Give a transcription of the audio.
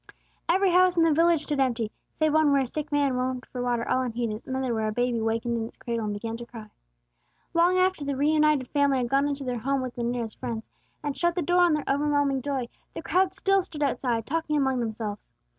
Every house in the village stood empty, save one where a sick man moaned for water all unheeded, and another where a baby wakened in its cradle and began to cry. Long after the reunited family had gone into their home with their nearest friends, and shut the door on their overwhelming joy, the crowds still stood outside, talking among themselves.